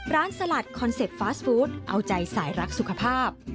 สลัดคอนเซ็ปต์ฟาสฟู้ดเอาใจสายรักสุขภาพ